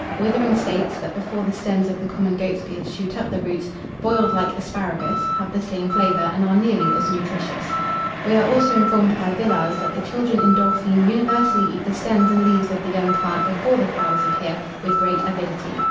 Withering states, that before the stems of the common Goats beard shoot up the roots, boiled like asparagus, have the same flavour, and are nearly as nutritious. We are also informed by Villars that the children in Dauphiné universally eat the stems and leaves of the young plant before the flowers appear, with great avidity.